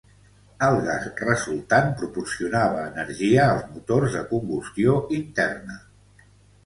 El gas resultant proporcionava energia als motors de combustió interna.